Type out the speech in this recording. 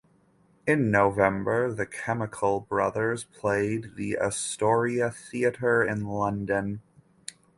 In November, The Chemical Brothers played the Astoria Theatre in London.